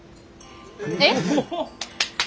えっ！？